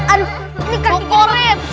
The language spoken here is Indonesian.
aduh ini kan kukorin